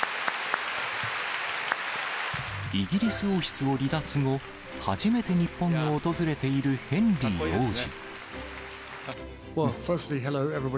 イギリス王室を離脱後、初めて日本を訪れているヘンリー王子。